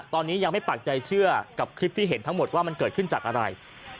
ตอนนี้ยังไม่ปากใจเชื่อกับคลิปที่เห็นทั้งหมดว่ามันเกิดขึ้นจากอะไร